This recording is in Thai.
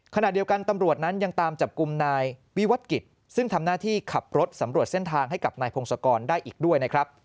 ขณะเดียวกันตำรวจนั้นยังตามจับกลุ่มนายวิวัตกิจซึ่งทำหน้าที่ขับรถสำรวจเส้นทางให้กับนายพงศกรได้อีกด้วยนะครับ